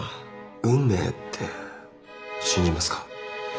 運命って信じますか？